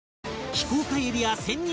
非公開エリア潜入